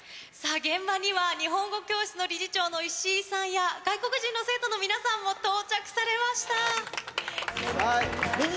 現場には日本語教室の理事長の石井さんや外国人の生徒の皆さんも到着されました。